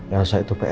elsa itu pr kita mbak